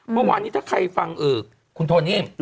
เมื่อวานนี้ถ้าใครฟังคุณโทนี่